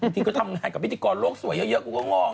จริงก็ทำงานกับพิธีกรโลกสวยเยอะกูก็งง